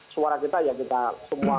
suara kita ya kita semua